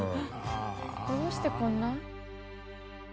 どうしてこんな？